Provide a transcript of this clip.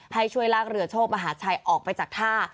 ให้ช่วยลากเรือโชคมหาชัยออกไปจากท่า